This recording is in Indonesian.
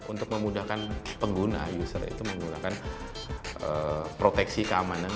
untuk memudahkan pengguna user itu menggunakan proteksi keamanan